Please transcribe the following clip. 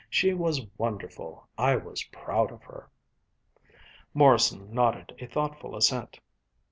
She was wonderful! I was proud of her!" Morrison nodded a thoughtful assent.